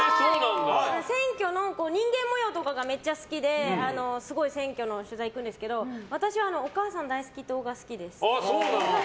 選挙の人間模様とかがめっちゃ好きで選挙の取材に行くんですけど私はお母さん大好き党が好きです。